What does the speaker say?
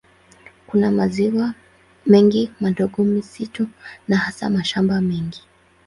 Kuna maziwa mengi madogo, misitu na hasa mashamba mengi.